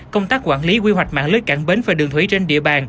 công tác quản lý quy hoạch mạng lưới cảng bến và đường thủy trên địa bàn